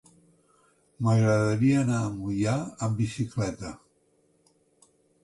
M'agradaria anar a Moià amb bicicleta.